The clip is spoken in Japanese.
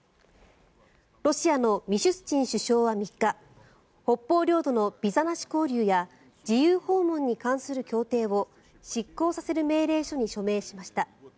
ロシアのミシュスチン首相は３日北方領土のビザなし交流や自由訪問に関する協定を失効させる命令書に署名しました。